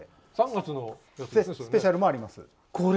３月のスペシャルもあります。